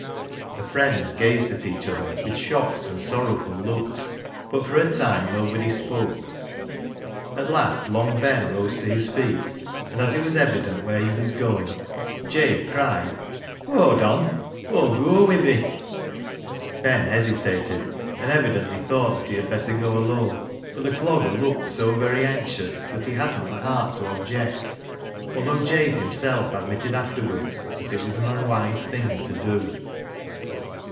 The friends gazed at each other with shocked and sorrowful looks, but for a time nobody spoke. At last Long Ben rose to his feet, and as it was evident where he was going, Jabe cried —" Howd on. Aw'll goa wi' thi." Ben hesitated, and evidently thought that he had better go alone, but the Clogger looked so 136 BECKSIDE LIGHTS very anxious that he hadn't the heart to object, although Jabe himself admitted afterwards that it was an unwise thing to do.